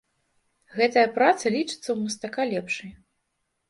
Гэтая праца лічыцца ў мастака лепшай.